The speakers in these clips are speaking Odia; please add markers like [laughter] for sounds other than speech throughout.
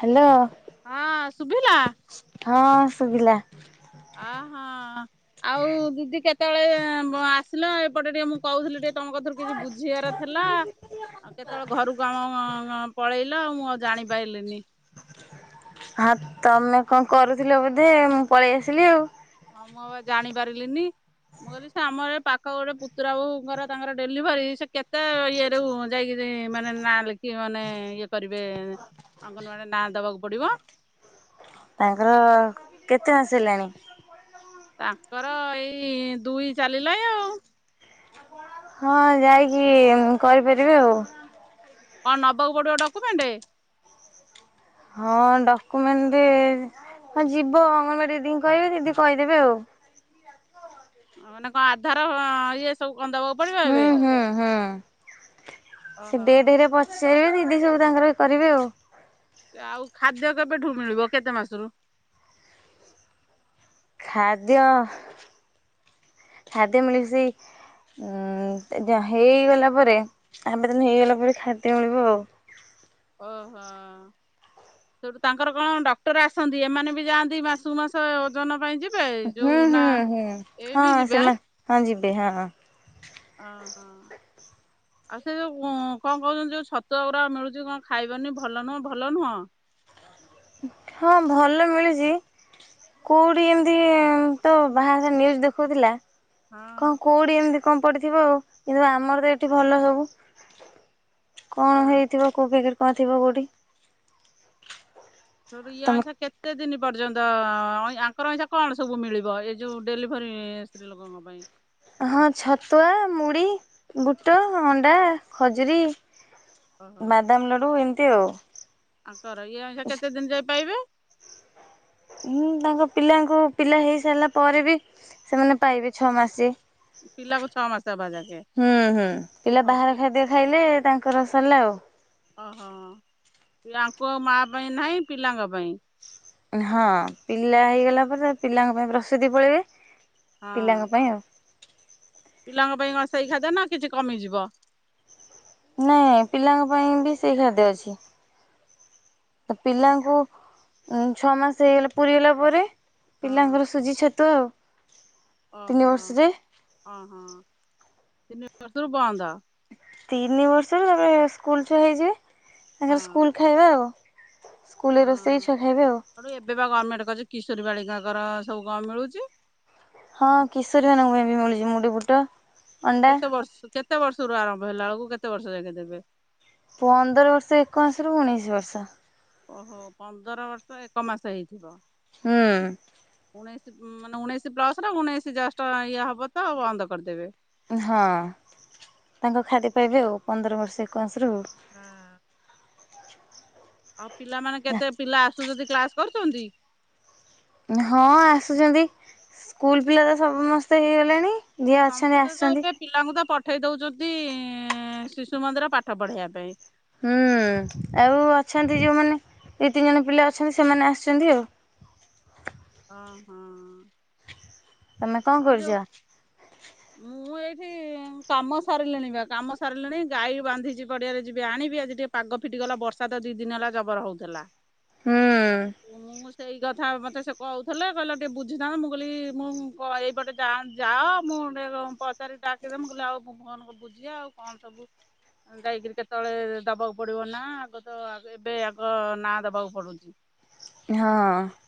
ହ୍ୟାଲୋ। ହଁ ସୁଭିଲା? ହଁ ଶୁଭିଲା। ଅ ହଁ। ଆଉ ଦିଦି କେତେବେଳେ ଆସିଲା ଏପଟେ ଟିକେ ମୁଁ କହୁଥିଲି ଟିକେ ତମ କଥରୁ କିଛି ବୁଝିବାର ଥିଲା ଆଉ କେତେବେଳେ ଘରୁକୁ ପଳେଇଲ ମୁଁ ଆଉ ଜାଣିପାଇଲିନି। ହଁ ତମେ କଣ କରୁଥିଲ ବୋଧେ ମୁଁ ପଳେଇ ଆସିଲି ଆଉ। ହଁ ମୁଁ ଆଉ ଜାଣି ପାରିଲିନି। ମୁଁ କହିଲି ସେ ଆମର ପାଖ ଗୋଟେ ପୁତୁରା ବୋହୁଙ୍କର ତାଙ୍କର ଡେଲିଭରି ସେ କେତେ ଇଏ। ଯୋଉ ଯାଇକିରି ମାନେ ନାଁ ଲେଖି ମାନେ ଇଏ କରିବେ। ଅଙ୍ଗନବାଡି ରେ ନାଁ ଦେବାକୁ ପଡ଼ିବ। ତାଙ୍କର କେତେ ମାସ ହେଲାଣି? ତାଙ୍କର ଏଇ ଦୁଇ ଚାଲିଲା ଆଉ। ହଁ ଯାଇକି କରିପାରିବେ ଆଉ। କଣ ନେବାକୁ ପଡ଼ିବ ଡକୁୟୁମେଣ୍ଟ? ହଁ ଡକୁ୍ୟୁମେଣ୍ଟ ହ ଯିବ ଅଙ୍ଗନବାଡ଼ି ଦିଦିି କହିବେ ଦିଦି କହିଦେବେ ଆଉ। ମାନେ କଣ ଆଧାର ଇଏ ସବୁ କଣ ଦବାକୁ ପଡିବ ହୁଁ ଏବେ। ହୁଁ ହୁଁ ସେ ଓହୋ। ଡିଏଡି ରେ ପଚାରିବେ ଦିଦି ସବୁ ତାଙ୍କର କରିବେ ଆଉ। ଆଉ ଖାଦ୍ୟ କେବେଠୁ ମିଳିବ କେତେ ମାସରୁ? ଖାଦ୍ୟ ଖାଦ୍ୟ ମିଳେ ସେଇ ଉଁ ହେଇଗଲା ପରେ ଆବେଦନ ହେଇଗଲା ପରେ ଖାଦ୍ୟ ମିଳିବ ଆଉ। ଓହୋ। ସେଠୁ ତାଙ୍କର କଣ ଡକ୍ଟର ଆସନ୍ତି ଏମାନେ ବି ଯାଆନ୍ତି ମାସକୁ ମାସ ଓଜନ ପାଇଁ ଯି ହୁଁ ହୁଁ ହୁଁ ହଁ ଯିବେ ଆଁ? ସେମାନେ ହଁ ଯିବେ ହଁ। ଅ ହଁ। ଆଉ ସେ ଯୋଉ କଣ କହୁଛନ୍ତି ଯୋଉ ଛତୁଆଗୁଡା ମିଳୁଛି କଣ ଖାଇବନି ଭଲ ନୁହଁ ଭଲ ନୁହଁ? ହଁ ଭଲ ମିଳୁଛି। କୋଉଠି ଏମିତି ତ ବାହାଘର ନ୍ୟୁଜ୍ ଦେଖୋଉଥିଲା ହଁ। କଣ କୋଉଠି ଏମିତି କଣ ପଡିଥିବ ଆଉ କିନ୍ତୁ ଆମର ତ ଏଠି ଭଲ ସବୁ। ଅ କଣ ହେଇଥିବ କୋଉ ପ୍ୟାକେଟ କଣ ଥିବ କୋଉଠି? ଇଏ ତମେ ଅଛ କେତେ ଦିନି ପର୍ଯ୍ୟନ୍ତ ଆଙ୍କର ଅଇନା କଣ ସବୁ ମିଳିବ ଏ ଯେଉଁ ଡେଲିଭରି ସ୍ତ୍ରୀ ଲୋକଙ୍କ ପାଇଁ? ହଁ ଛତୁଆ, ମୁଢ଼ି, ବୁଟ, ଅଣ୍ଡା, ଖଜୁରୀ। ଓହୋ। ବାଦାମ ଲଡୁ ଏମିତି ଆଉ। ଆଙ୍କର ଇଏ ଅଇନା କେତେ ଦିନ ଯାଇ ପାଇବେ? ହଁ ତାଙ୍କ ପିଲାଙ୍କୁ ପିଲା ହେଇସାରିଲା ପରେ ବି ସେମାନେ ପାଇବେ ଛଅ ମାସେ। ପିଲାକୁ ଛ ମାସ ହବା ଯାଙ୍କେ। ହୁଁ ହୁଁ ପିଲା ବାହାର ଖାଦ୍ୟ ଖାଇଲେ ତାଙ୍କର ସରିଲା ଆଉ। ଓହୋ ୟାଙ୍କୁ ଆଉ ମାଆ ପାଇଁ ନାହିଁ ପିଲାଙ୍କ ପାଇଁ? ହଁ ପିଲା ହେଇଗଲା ପରେ ପିଲାଙ୍କ ପାଇଁ ପ୍ରସ୍ତୁତି ପଳେଇବେ ହଁ ପିଲାଙ୍କ ପାଇଁ ଆଉ। ପିଲାଙ୍କ ପାଇଁ କଣ ସେଇ ଖାଦ୍ୟ ନା କିଛି କମିଯିବ? ନାଇଁ ପିଲାଙ୍କ ପାଇଁ ବି ସେଇ ଖାଦ୍ୟ ଅଛି। ପିଲାଙ୍କୁ ଛଅ ମାସ ହେଇଗଲା ପୁରୀ ହେଲା ପରେ ହଁ ପିଲାଙ୍କର ସୁଜି ଛତୁଆ ଆଉ। ତିନି ଓହୋ ବର୍ଷରେ ଓହୋ ସେ [unintelligible] ବନ୍ଦ? ତିନି ବର୍ଷରେ ତାପରେ ସ୍କୁଲ ଛୁଆ ହେଇଯିବେ ତାଙ୍କର ହଁ ସ୍କୁଲ ଖାଇବା ଆଉ। ସ୍କୁଲରେ ରୋଷେଇ ହଁ ଛୁଆ ଖାଇବେ ଆଉ। ସେଠୁ ଏବେ ବା ଗଭର୍ଣ୍ଣମେଣ୍ଟ କରିଛି କିଶୋର ବାଳିକାଙ୍କ ସବୁ କଣ ମିଳୁଛି? ହଁ କିଶୋରୀ ମାନଙ୍କ ପାଇଁ ବି ମିଳୁଛି ମୁଡି ବୁଟ। ଅଣ୍ଡା କେତେ ବର୍ଷରୁ କେତେ ବର୍ଷରୁ ଆରମ୍ଭ ହେଲା ବେଳକୁ କେତେ ବର୍ଷ ଯାକେ ଦେବେ? ପନ୍ଦର ବର୍ଷ ଏକ ମାସ ରୁ ଉଣେଇଶି ବର୍ଷ। ଓହୋ ପନ୍ଦର ବର୍ଷ ଏକ ମାସ ହେଇଥିବ। ହୁଁ। ଉଣେଇଶି ମାନେ ଉଣେଇଶି ପ୍ଲସ୍ ଉଣେଇଶି ଜଷ୍ଟ ଇଏ ହେବ ତ ବନ୍ଦ କରିଦେବେ। ହଁ ତାଙ୍କ ଖାଦ୍ୟ ପାଇବେ ଆଉ ପନ୍ଦର ବର୍ଷ ଏକମାସରୁ। ହଁ। ଆଉ ପିଲାମାନେ କେତେ ପିଲା ଆସୁଛନ୍ତି କ୍ଲାସ କରୁଛନ୍ତି? ହଁ ଆସୁଛନ୍ତି ସ୍କୁଲ ପିଲା ତ ସମସ୍ତେ ହେଇଗଲେଣି। ଯିଏ ଅଛନ୍ତି ସମସ୍ତେ ତ ଆସୁଛନ୍ତି। ଏବେ ପିଲାଙ୍କୁ ତ ପଠେଇ ଦଉଛନ୍ତି ଶିଶୁ ମନ୍ଦିର ପାଠ ପଢ଼େଇବା ପାଇଁ। ହୁଁ ଆଉ ଅଛନ୍ତି ଯେଉଁମାନେ ଦୁଇ ତିନି ଜଣ ପିଲା ଅଛନ୍ତି ସେମାନେ ଆସୁଛନ୍ତି ଆଉ। ଓ ହଁ। ତମେ କଣ କରୁଚ? ମୁଁ ମୁଁ ଏଇଠି କାମ ସାରିଲିଣି ବା କାମ ସାରିଲିଣି ଗାଈ ବାନ୍ଧିଚି ପଡିଆରେ ଯିବି ଆଣିବି। ଆଜି ଟିକେ ପାଗ ଫିଟିଗଲା ବର୍ଷା ତ ଦିଇ ଦିନି ହେଲା ଜବର ହୋଉଥେଲା। ହୁଁ। ମୁଁ ସେଇ କଥା ମୋତେ ସେ କ‌ଉଥିଲା କହିଲା ଟିକିଏ ବୁଝୁନ। ମୁଁ କହିଲି ମୁଁ କହି ଏଇପଟେ ଯାଅନ ଯାଅ। ମୁଁ ଗୋଟେ କ ପଚାରି ଡାକିଦେମି ମୁଁ କହିଲି ଆଉ କ ବୁଝିବା ଆ ଆଉ କଣ ସବୁ ହ ଯାଇକିରି କେତେବେଳେ ଦେବାକୁ ପଡିବ ନାଁ। ଆଗ ତ ଆଗ ଏବେ ଆଗ ନାଁ ଦବାକୁ ପଡୁଚି। ହଁ।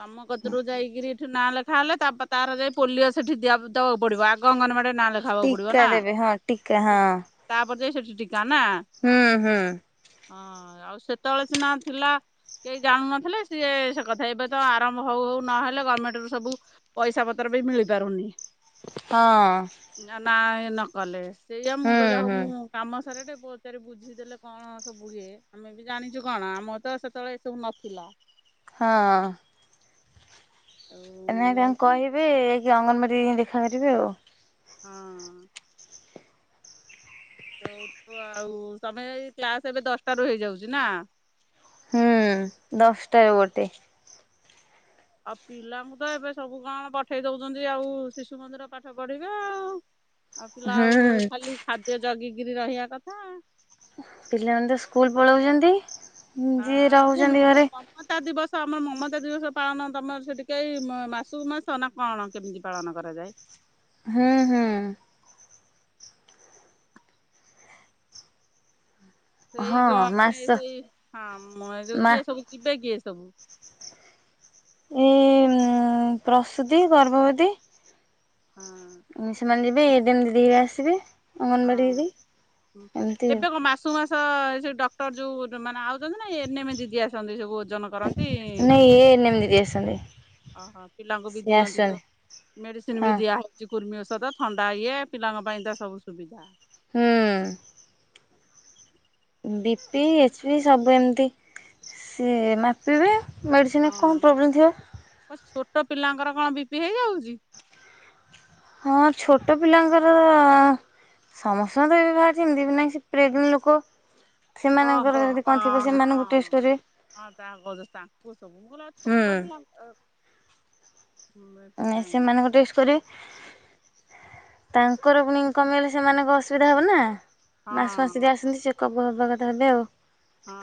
ତମ କତୁରୁ ଯାଇକିରି ଏଠି ନାଁ ଲେଖା ହେଲେ ତାପ ତାର ଯାଇ ପୋଲିଓ ସେଠି ଦିଆ ଦବାକୁ ପଡିବ ଆଗ ଅଙ୍ଗନମାଡି ନାଁ ଲେଖା ହବାକୁ ପଡିବ ଟିକା ନା ଦେବେ ହଁ ଟିକା ହାତୀ ହଁ। ତାପରେ ଯାଇ ସେଠି ଟିକା ନା? ହୁଁ ହୁଁ। ହଁ ଆଉ ସେତେବେଳେ ସିନା ଥିଲା କେହି ଜାଣୁ ନଥିଲେ ସିଏ ସେ କଥା ଏବେ ତ ଆରମ୍ଭ ହୋଉ ହୋଉ ନହେଲେ ଗମେଣ୍ଟରୁ ସବୁ ପଇଷା ପତର ବି ମିଳି ପାରୁନି। ହଁ। ନା ନାଁ ଏ ନ କଲେ। ସେଇଆ ମୁଁ ହୁଁ କଇଲି ଆଉ ହୁଁ ହୋଉ ମୁଁ କାମ ସାରିଲେ ପଚାରି ବୁଝିଦେଲେ କଣ ସବୁ ହୁଏ। ଆମେ ବି ଜାଣିଚୁ କଣ ଆମର ତ ସେତେବେଳେ ତୁମ୍ ନଥିଲା। ହଁ। ଆଉ ଏଇନାକେ ତାଙ୍କୁ ଏମିତି କହିବି କିି ଅଙ୍ଗନମାଡିରେ ଯାଇଙ୍କି [unintelligible] ଦେଖା କରିବେ ଆଉ। ହଁ। ହୋଉ ଆଉ ତମେ ଏଇ କ୍ଲାସ୍ ଏବେ ଦଶଟାରୁ ହେଇଯାଉଚି ନା? ହୁଁ ଦଶଟାରୁ ଗୋଟେ। ଆଉ ପିଲାଙ୍କୁ ତ ଏବେ ସବୁ କଣ ପଠେଇ ଦୋଉଚନ୍ତି ଆଉ ଶିଶୁ ମନ୍ଦିର ପାଠ ପଢିବେ ଆଉ। [inaudible] ଆଉ ପିଲାକୁ ଏଇ ହୁଁ। ଖାଲି ଖାଦ୍ୟ ଜଗିକିରି ରହିବା କଥା ଆ। ପିଲାମାନେ ତ ସ୍କୁଲ ପଳୋଉଚନ୍ତି। ଯିଏ ଆମ ରହୁଚନ୍ତି ଘରେ ମମତା ଦିବସ ଆମ ମମତା ଦିବସ ପାଳନ ତମର ସେଟି କେଇ ମା-ମାସୁକୁ ମାସ ନା କଣ କେମିତି ପାଳନ କରାଯାଏ? ହୁଁ ହୁଁ। ସେଇ ହଁ ଗମିନେ ମାସ ସେଇ ହଁ ମ ଯୋଉ ମା କିଏ ସବୁ ଯିବେ କିଏ ସବୁ? ଏ ଉଁ ପ୍ରସୂତି, ଗର୍ଭବତୀ। ହଁ। ଉଁ ସେମାନେ ଯିବେ ଏଡେନ୍ ଦିଦି ବି ଆସିବେ। ହଁ ଅଙ୍ଗନବାଡି ଦିଦି ହୁଁ ଏମିତି ଏବେ କଁ ଆଉ ମାସୁକୁ ମା ସ ସେ ଡକ୍ଟର ଯୋଉ ଦ ମାନେ ଆଉଚନ୍ତି ନା ଏ ନେ ମେ ଦିଦି ଆସନ୍ତି। ସବୁ ଓଜନ କର ନାଇଁ ଏ ଏନ୍ ଏମ୍ ଦିଦି ଆସନ୍ତି। ଓହୋ ପିଲାଙ୍କୁ ବି ସିଏ ଦିଅନ୍ତି ତ ଆସୁଛନ୍ତି ମେଡିସିନ୍ ବି ହଁ ଦିଆ ହୋ ଉଚି କୁର୍ମି ଓଷଦ ଥଣ୍ଡା ଇଏ ପିଲାଙ୍କ ପାଇଁ ତ ସବୁ ସୁବିଧା। ହୁଁ। ବି ପି ଏଚ୍ ପି ସବୁ ଏମିତି ସିଏ ମାପିବେ। ମେଡିସିନରେ କଣ ପ୍ରୋବ୍ଲେମ୍ ଥିବ। କଁ ଛୋଟ ପିଲାଙ୍କର କଣ ବି ପି ହେଇଯାଉଚି। ହଁ ଛୋଟ ପିଲାଙ୍କର ସମସ୍ତଙ୍କ ତ ଏବେ ବାହାରୁଚି ସେମିତି ବି ନାଇଁ ସିଏ ପ୍ରେଗ୍ନେଣ୍ଟ ଲୋକ। ସେମାନଙ୍କର ଓହୋ ଯଦି କଣ ଥିବ ହଁ ସେମାନଙ୍କୁ ହଁ। ଟେଷ୍ଟ କରିବେ ହଁ ତା କଉଚ ତାଙ୍କୁ ସବୁ ମୁଁ କଇଲି ଆଉ ଛୋଟ ହୁଁ ପିଲା କାହିଁ ନାଇଁ ହେଇଛି ସେମାନଙ୍କୁ ଟେଷ୍ଟ କରିବେ। ତାଙ୍କର ପୁଣି କମିଗଲେ ସେମାନଙ୍କ ଅସୁବିଧା ହେବ ନା? ମାସୁକୁ ମାସ ହଁ ଯିଏ ଆସନ୍ତି ଚେକଅପ ହବା କଥା ହେବେ ଆଉ ହଁ।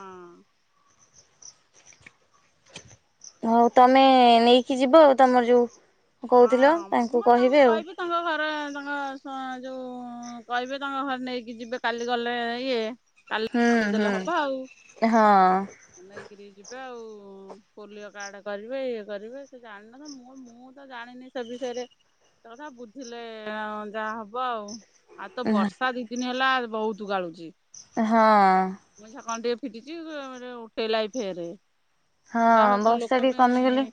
ହଉ ତମେ ନେଇକି ଯିବ ଆଉ ତମର ଯୋଉ କହୁଥିଲ ତାଙ୍କୁ କହିବେ ଆଉ ତମ ଘର ତା ସ୍ୱା ଯୋଉଁ କହିବେ ତାଙ୍କ ଘରେ ନେଇକି ଯିବେ କାଲି ଗଲେ ଇଏ କାଲି ହୁଁ ଦେଇଦେଲେ ହୁଁ ହବ ଆଉ ନେଇକିରି ଯିବେ ଆଉ ପୋଲିଓ କାର୍ଡ କରିବେ ଇଏ କରିବେ ସେ ଜାଣିନ ତ ମୋର୍ ମୋର୍ ତ ଜାଣିନି ସେ ବିଷୟରେ ଏତେ କଥା ବୁଝିଲେ ଅଁ ଯା ହବ ଆଉ ଆଉ ତ ହଁ ବର୍ଷା ଦି ଦିନ ହେଲା ବୋହୁତ ଗାଳୁଚି। ହଁ। ମୁଁ ଏଇଁଛା କଣ ଟିକେ ଫିଟିଚି ଫେରେ ଉଠେଇଲାଇଁ ଫେରେ। ଯା ହଉ ହଁ ଟିକେ ବର୍ଷା ଲୋକ କମିଗଲେ ପାଇଁ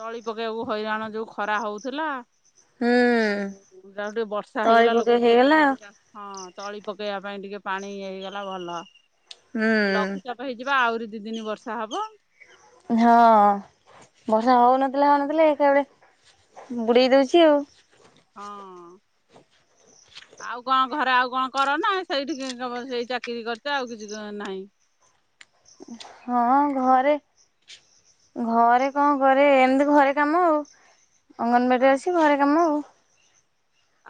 ତଳି ପକେଇଆକୁ ହଇରାଣ ଯୋଉ ଖରା ହଉଥିଲା। ହୁଁ ଉଁ ଯା ହଉ ଟିକେ ବର୍ଷା ତଳି ହେଇଗଲା ପକେଇ ଲୋକ ହେଇଗଲା ଟିକେ ଆଉ। ଚା ହଁ ତଳି ପକେଇବା ପାଇଁ ଟିକେ ପାଣି ହେଇଗଲା ଭଲ। ହୁଁ ଲଘୁଚାପ ହେଇଛିପା ଆହୁରି ଦି ଦିନି ବର୍ଷା ହବ। ହଁ ବର୍ଷା ହଉ ନଥିଲା ହଉ ନଥିଲା ଏକାବେଳେ ବୁଡେଇ ଦଉଚି ଆଉ। ହଁ। ଆଉ କଣ ଘରେ ଆଉ କଣ କର ନା ସେଇଠିକି ସେଇ ଚାକିରି କରିଚ ଆଉ କିଛି ନାହିଁ। ହଁ ଘରେ ଘରେ କଣ କରେ ଏମିତି ଘରେ କାମ ଆଉ ଅ ଅଙ୍ଗନବାଡିରେ ଅଛି ଘରେ କାମ ଆଉ।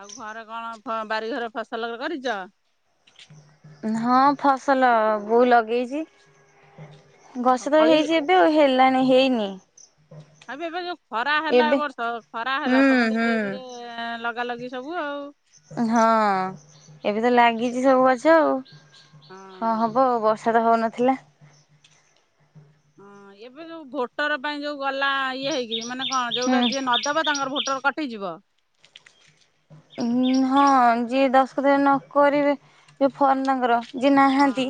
ଆଉ ଘରେ କଣ ଫ ବାରି ଘରେ ଫସଲ କରିଚ? ହଁ ଫସଲ ବୋଉ ଲଗେଇଚି ଓହୋ ଗଛ ତ ଫଳି ହେଇଚି ଏ ଏ ତ ହେଲାଣି ହେଇନି। ଏବେ ଏବେ ଯୋଉ ଖରା ହେଲା ଏ ଏବେ ବର୍ଷ ଖରା ହେଲା ହୁଁ ହୁଁ ସମସ୍ତେ ଲଗେଇ ଲଗା ଲଗି ସବୁ ଆଉ। ହଁ ଏବେ ତ ଲାଗିଚି ସବୁ ଗଛ ଆଉ ହଁ ହବ୍ ହବ ବର୍ଷା ତ ହଉନଥିଲା। ହଁ ଏବେ ଯୋଉ ଭୋଟର ପାଇଁ ଯୋଉ ଗଲା ଇଏ ହେଇକିରି ମାନେ କଣ ଯୋଉଟା ହୁଁ ଯିଏ ନ ଦବା ତାଙ୍କର ଭୋଟର କଟିଯିବ? ହଁ ଯିଏ ଦଶ କଥ ନ କରିବେ ଯ ଫୋନ୍ ତାଙ୍କର ଯିଏ ହଁ ନାହାନ୍ତି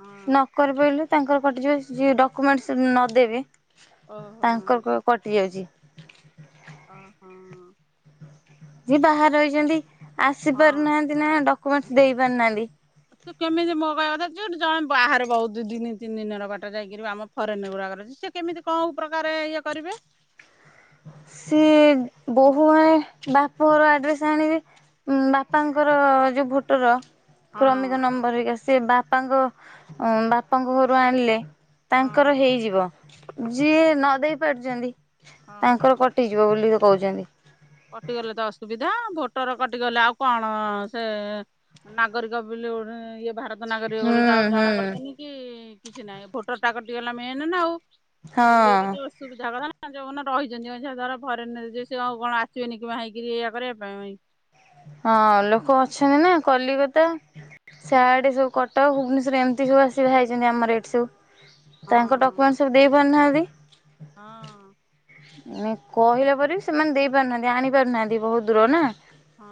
ହଁ କରିପାରିଲୁ ତାଙ୍କର କଟିଯିବ ଯିଏ ଡକ୍ୟୁମେଣ୍ଟ ନଦେବି ଓହୋ ତାଙ୍କର କଟି ଯାଉଚି। ଓହୋ। ଯିଏ ବାହାରେ ରହିଚନ୍ତି ଆସି ହଁ ପାରୁନାହାନ୍ତି ନା ଡକ୍ୟୁମେଣ୍ଟ୍ ଦେଇ ପାରୁନାହାନ୍ତି। ତୁ କେମିତି ମୋ କହିବା କଥା ଯେ ଜଣେ ବାହାରେ ବହୁତୁ ଦି -ଦି ତିନି ଦିନ ର ବାଟ ଯାଇକରି ଆମ ଫରେନ୍ ଗୁଡ଼ାକରେ ଅଛି। ସିଏ କେମିତି କଉ ପ୍ରକାର ଇଏ କରିବେ? ସିଏ ବୋହୂ ଆଣି ବାପଘର ଆଡ୍ରେସ୍ ଆଣିବେ। ଉଁ ବାପାଙ୍କର ଯୋଉ ଭୋଟର ହଁ କ୍ରମିକ ନମ୍ବର ହେରିକା ସେ ବାପାଙ୍କ ବାପାଙ୍କ ଘରୁ ଆଣିଲେ ହଁ ତାଙ୍କର ହେଇଯିବ ଯିଏ ନ ଦେଇ ପାରୁଚନ୍ତି ହଁ ତାଙ୍କର ହଁ କ ଟିଯିବ ବୋଲି ତ କହୁଚନ୍ତି। କଟିଗଲେ ତ ଅସୁବିଧା ଭୋଟର କଟିଗଲେ ଆଉ କଣ ସେ ନାଗରିକ ବେଲି ଗୋଟେ ଇଏ ଭାରତ ନାଗରିକ ବୋଲି ହୁଁ ତ ଆଉ ହୁଁ ଜଣା ପଡିବନି। କି କିଛି ନାହିଁ ଭୋଟର ଟା କଟିଗଲା ମେନ୍ ନା ଆଉ ହଁ ଇଏରେ ତ ସୁବିଧା କଥା ନା ଯଉମାନେ ରହିଚନ୍ତି ଯାହା ଫରେନ୍ ରେ ଚୁନି କି ବାହା ହେଇକିରି ଏଇଆ କରିବା ପାଇଁ ହଁ ଲୋକ ଅଛନ୍ତି ନା କଲିକତା ସିଆଡେ ସବୁ କଟକ ଭୁବନେଶ୍ୱରରେ ଏମିତି ସବୁ ଆସିବା ହେଇଚନ୍ତି ଆମର ଏଠି ସବୁ ତାଙ୍କ ହଁ ଡକ୍ୟୁମେଣ୍ଟ୍ ସବୁ ଦେଇପାରୁନାହାନ୍ତି। ହଁ। କହିଲା ପରେ ବି ସେମାନେ ଦେଇ ପାରୁନାହାନ୍ତି ଆଣି ପାରୁନାହାନ୍ତି ବହୁତ୍ ଦୂର ନା। ହଁ।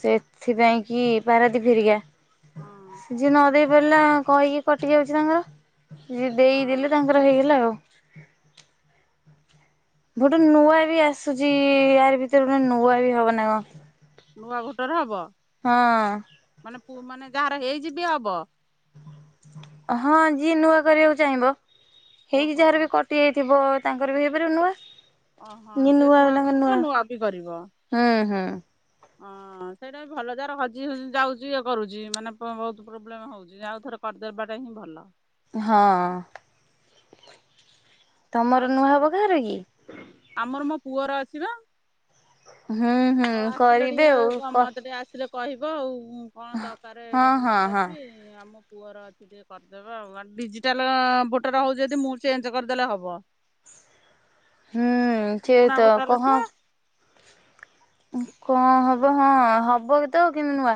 ସେଥିପାଇଁ କି ପାରାଦୀପ୍ ହେରିକା ହଁ। ଯିଏ ନ ଦେଇ ପାରିଲା କହିକି କଟି ଯାଉଚି ତାଙ୍କର ଯିଏ ଦେଇଦେଲେ ହଁ ତାଙ୍କର ହେଇଗଲା ଆଉ। ଗୋଟେ ହଁ ନୂଆ ବି ଆସୁଚି ୟାରି ଭିତରେ ଗୋଟେ ନୂଆ ବି ହବ ନା କଣ। ନୂଆ ଭୋଟର ହବ? ହଁ। ମାନେ ପୁ ମାନେ ଯାହାର ହେଇଚି ବି ହବ? ହଁ ଯିଏ ନୂଆ କରିବାକୁ ଚାହିଁବ ହେଇକି ଓହୋ ଯାହାର ବି କ ଟିଏ ଥିବ ତାଙ୍କର ବି ହେଇପାରିବ ନୂଆ। ଓହୋ ଯେ ନୂଆ କରିବ ନୂଆ ବି କରିବ। ହୁଁ ହୁଁ। ହଁ ସେଇଟା ବି ଭଲ ଯାର ହଜି ହେଇ ଯାଉଚି ଇଏ କରୁଚି ମାନେ ବହୁତ ପ୍ରୋବ୍ଲେମ୍ ହଉଚି ଯେ ଆଉଥରେ କରିଦେବାଟା ହିଁ ଭଲ। ହଁ। ତମର ଆଉ ନୂଆ ହେବ କାହାର କି? ଆମର ମୋ ପୁଅର ଅଛି ବା। ହୁଁ ହୁଁ ହଉ ଆସିଲ କରିବେ ଆଉ ଟିକେ କ ମତେ ଟିକେ ଆସିଲେ କହିବ ଆଉ କଣ ଦରକାର ହଁ ହଁ ଡକ୍ୟୁମେଣ୍ଟ ହଁ ଦେବି ଆମ ପୁଅର ଟିକେ କରିଦେବା ଆଉ ଡିଜିଟାଲ ଭୋଟର ହଉଛି ଯଦି ମୁଁ ଚେଞ୍ଜ କରିଦେଲେ ହବ। ହୁଁ ସେ ପୁରୁଣା ତ ଭୋଟର କହ ସେ କଣ ହବ ହଁ ହବ କେତ କିନ୍ତୁ ନୂଆ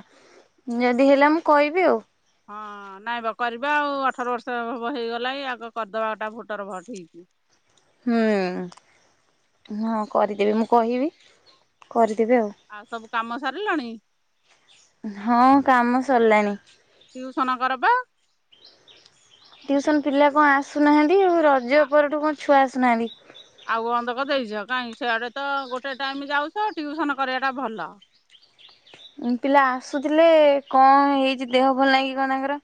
ଯଦି ହେଲା ମୁଁ କହିବି ଆଉ। ହଁ ନାଇଁ ବା କରିବା ଆଉ ଅଠର ବର୍ଷ ହେଇଗଲା ଆଗ କରିଦବାଟା ଭୋଟର ଭୋଟ ଠିକ୍। ହୁଁ ହଁ କରିଦେବି ମୁଁ କହିବି କରିଦେବି ଆଉ। ଆଉ ସବୁ କାମ ସାରିଲଣି? ହଁ କାମ ସରିଲାଣି। ଟିଉସନ କର ବା? ଟିଉସନ ପିଲା କଣ ଆସୁନାହାନ୍ତି ଆଉ ରଜ ପରଠୁ କଣ ଛୁଆ ଆସୁନାହାନ୍ତି। ଆଉ ଅନ୍ଧକ ଦେଇଛ କାଇହିଁ ସେଆଡେ ତ ଗୋଟେ ଟାଇମ ଯାଉଛ ଟିଉସନ କରିବା ଟା ଭଲ। ଉ ପିଲା ଆସୁଥିଲେ କଣ ହେଇଛି ଦେହ ଭଲ ନାଇ କନ ତାଙ୍କର।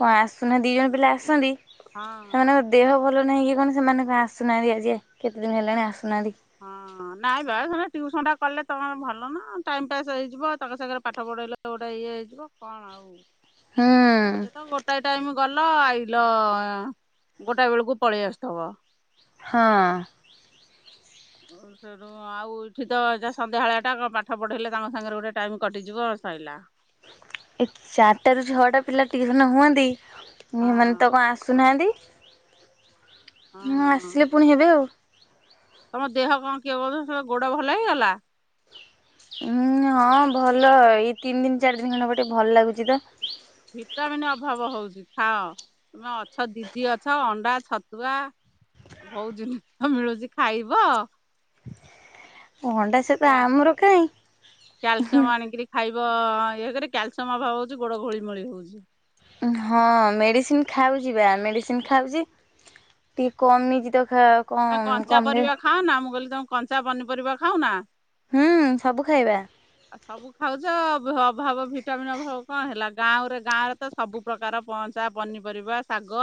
କଣ ଆସୁନା ଦି ଜଣ ପିଲା ଆସନ୍ତି। ହଁ ସେମାନଙ୍କ ଦେହ ଭଲ ନାହିଁ କି କଣ ସେମାନଙ୍କ ଆସୁନାହାନ୍ତି ଆଜି କେତେ ଦିନ ହେଲାଣି ଆସୁନାହାନ୍ତି। [inaudible] ହଁ ନାଇଁ ବା ଟ୍ୟୁସନ ଟା କଲେ ତମର ଭଲ ନା ଟାଇମ ପାସ୍ ହେଇଯିବ ତାଙ୍କ ସାଙ୍ଗରେ ପାଠ ପଢ଼େଇଲେ ଗୋଟେ ଇଏ ହେଇଯିବ କଣ ଆଉ ସେ ତ ହୁଁ ଗୋ ଗୋଟାଏ ଟାଇମ ଗଲ ଆଇଲ ଏଁ ଗୋଟାଏ ବେଳକୁ ପଳେଇ ଆସୁଥିବ? ହଁ। ଓ ସେ ଉଁ ଆଉ ଏଠି ତ ଏଟା ସନ୍ଧ୍ୟାଆଳିଟା କ ପାଠ ପଢ଼େଇଲେ ତାଙ୍କ ସାଙ୍ଗରେ ଗୋଟେ ଟାଇମ୍ କଟିଯିବ ସଇଲା। ଏ ଚାରିଟା ରୁ ଛଅଟା ପିଲା ଟିଉସନ ହୁଅନ୍ତି ଉଁ ହଁ ଏମାନେ ତ କଣ ଆସୁନାହାଁନ୍ତି ଉଁ ହଁ ଆସିବେ ପୁଣି ହେବେ ଆଉ। ତମ ଦେହ କଣ କିଏ କ ସେ ଗୋଡ ଭଲ ହେଇଗଲା? ଉଁ ହଁ ଭଲ ଏଇ ତିନି ଦିନି ଚାରି ଦିନି ଖଣ୍ଡେ ହବ ଟିକେ ଭଲ ଲାଗୁଛି ତ। ଭିଟାମିନ୍ ଅଭାବ ହଉଛି ଖାଅ। ତମେ ଅଛ ଦିଦି ଅଛ ଅଣ୍ଡା ଛତୁଆ ଭଉ ଜିନିଷ ମିଳୁଛି ଖାଇବ। ଅଣ୍ଡା ଛତୁଆ ଆମର କାଇଁ? କ୍ୟାଲସିୟମ ଆଣିକିରି ଖାଇବ ଇଏ କରି କ୍ୟାଲସିୟମ ଅଭାବ ହଉଛି ଗୋଡ ଘୋଳି ମୋଳି ହଉଛି। ହଁ ମେଡ଼ିସିନ ଖାଉଛି ବା ମେଡ଼ିସିନ ଖାଉଛି ଟିକେ କମିଛି ତ ଖା ତମେ କଞ୍ଚା ପରିବା ଖାଅ ନା ମୁଁ କହିଲି ତମେ କଞ୍ଚା ପନିପରିବା ଖାଉ ନା? ହୁଁ ସବୁ ଖାଇବା। ଆଉ ସବୁ ଖାଉଛ ଭ ଅଭାବ ଭିଟାମିନ ଅଭାବ କଣ ହେଲା ଗାଁଉ ରେ ଗାଁ ରେ ତ ସବୁ ପ୍ରକାର ପହଁଚା ପନିପରିବା ଶାଗ